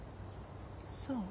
そう？